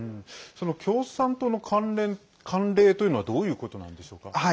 その共産党の慣例というのはどういうことなんでしょうか。